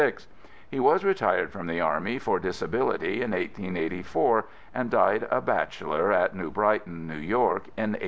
He was retired from the Army for disability in 1884 and died a bachelor at New Brighton, New York in 1889.